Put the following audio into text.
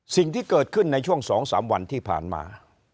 สิ่งที่เกิดขึ้นในช่วง๒๓วันที่ผ่านมา